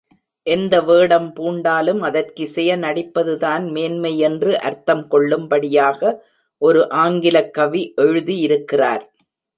எந்த வேடம் பூண்டாலும் அதற்கிசைய நடிப்பதுதான் மேன்மை என்று அர்த்தம் கொள்ளும்படியாக ஒரு ஆங்கிலக் கவி எழுதியிருக்கிறார்.